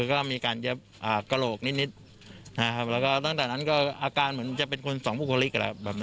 เขาก็มีอาการคลิ้นข้างอยู่เป็นระยะ